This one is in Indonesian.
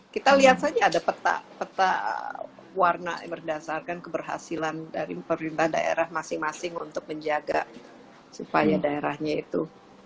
kita lihat saja ada peta peta warna berdasarkan keberhasilan dari pemerintah daerah masing masing untuk menjaga supaya daerahnya itu